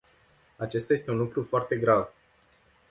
Acesta este un lucru foarte grav.